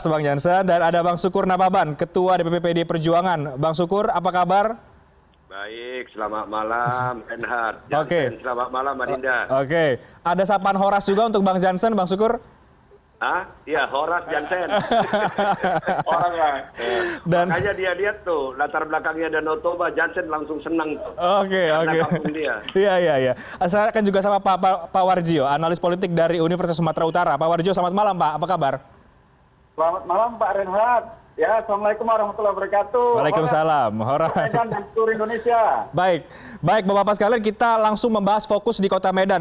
baik baik bapak bapak sekalian kita langsung membahas fokus di kota medan